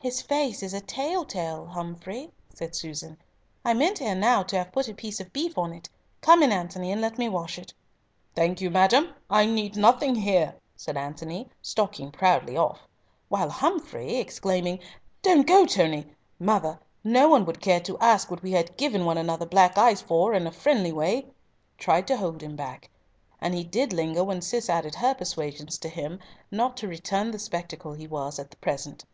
"His face is a tell tale, Humfrey," said Susan. "I meant ere now to have put a piece of beef on it. Come in, Antony, and let me wash it." "Thank you, madam, I need nothing here," said Antony, stalking proudly off; while Humfrey, exclaiming "Don't be an ass, Tony!—Mother, no one would care to ask what we had given one another black eyes for in a friendly way," tried to hold him back, and he did linger when Cis added her persuasions to him not to return the spectacle he was at present.